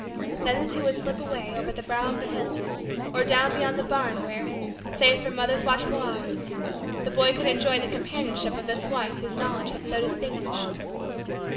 Then the two would slip away over the brow of the hill or down behind the barn where, safe from mother's watchful eye, the boy could enjoy the companionship of this one whom Knowledge had so distinguished.